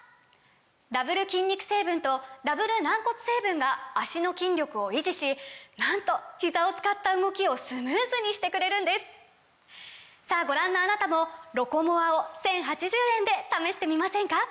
ダブル筋肉成分とダブル軟骨成分が脚の筋力を維持しなんとひざを使った動きをスムーズにしてくれるんですさぁご覧のあなたも「ロコモア」を１，０８０円で試してみませんか！